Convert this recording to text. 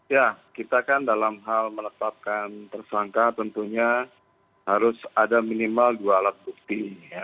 ya kita kan dalam hal menetapkan tersangka tentunya harus ada minimal dua alat bukti